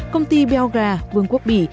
công ty belgra vương quốc bỉ